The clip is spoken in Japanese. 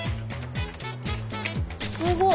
すごい。